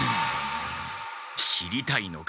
知りたいのか？